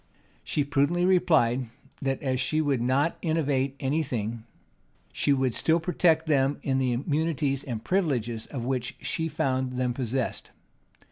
She prudently replied, that as she would not innovate any thing, she would still protect them in the immunities and privileges of which she found them possessed.